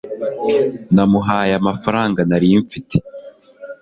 namuhaye amafaranga nari mfite